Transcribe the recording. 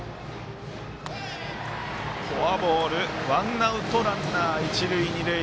フォアボールワンアウト、ランナー、一塁二塁。